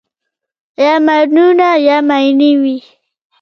یا مېړونه یا ماينې وي